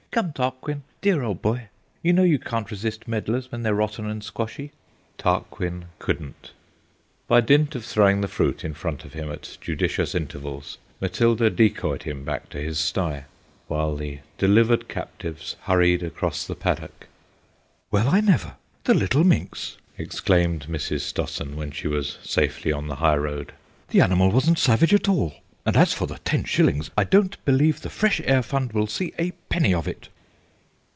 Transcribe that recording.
"Come, Tarquin, dear old boy; you know you can't resist medlars when they're rotten and squashy." Tarquin couldn't. By dint of throwing the fruit in front of him at judicious intervals Matilda decoyed him back to his stye, while the delivered captives hurried across the paddock. "Well, I never! The little minx!" exclaimed Mrs. Stossen when she was safely on the high road. "The animal wasn't savage at all, and as for the ten shillings, I don't believe the Fresh Air Fund will see a penny of it!"